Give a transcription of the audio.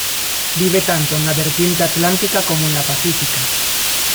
Vive tanto en la vertiente atlántica como en la pacífica.